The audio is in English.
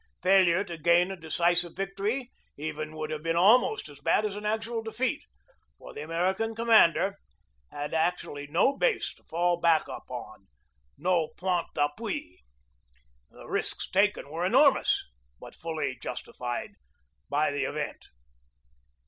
Failure to gain a decisive victory even would have been almost as bad as actual defeat, for the American commander had actually no base to fall back upon, no point d'appui. The risks taken were enormous but fully justified by the event."